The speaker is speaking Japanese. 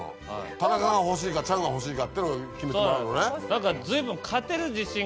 田中が欲しいかチャンが欲しいかっていうのを決めてもらうのね。